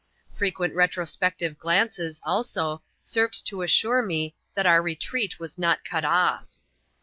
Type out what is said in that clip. Fre quent retrospective glanees, ^o^ served to assure me that our retreat was not cut off.